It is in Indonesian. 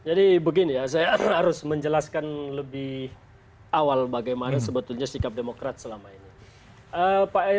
jadi begini ya saya harus menjelaskan lebih awal bagaimana sebetulnya sikap demokrat selama ini